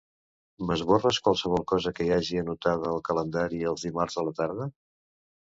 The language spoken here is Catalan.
M'esborres qualsevol cosa que hi hagi anotada al calendari els dimarts a la tarda?